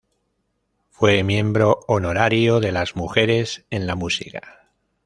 Fue miembro honorario de "Las Mujeres en la Música".